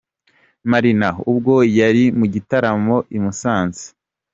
Marina ubwo yari mu gitaramo i Musanze.